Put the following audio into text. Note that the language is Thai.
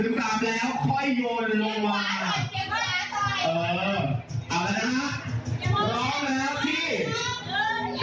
โหตายแล้วโหยหาความกลัวมีสามีก็มาก